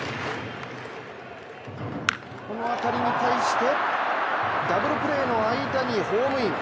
この当たりに対して、ダブルプレーの間にホームイン。